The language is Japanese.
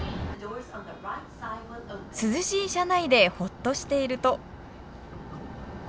涼しい車内でほっとしていると。